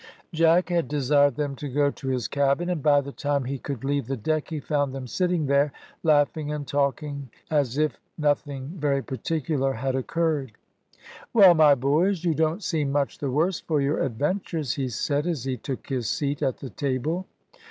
Jack had desired them to go to his cabin, and by the time he could leave the deck he found them sitting there, laughing and talking if nothing very particular had occurred. "Well, my boys, you don't seem much the worse for your adventures," he said, as he took his seat at the table.